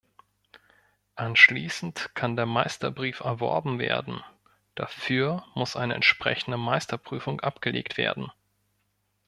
Anschließend kann der Meisterbrief erworben werden, dafür muss eine entsprechende Meisterprüfung abgelegt werden.